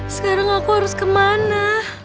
sekarang aku harus kemana